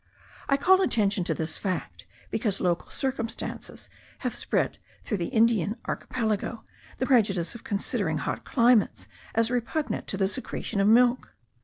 I call attention to this fact, because local circumstances have spread through the Indian Archipelago the prejudice of considering hot climates as repugnant to the secretion of milk.